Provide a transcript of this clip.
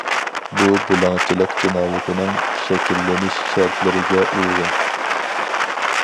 بۇ بۇلاڭچىلىق جىنايىتىنىڭ شەكىللىنىش شەرتلىرىگە ئۇيغۇن.